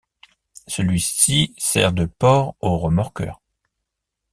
Celui-ci sert de port aux remorqueurs.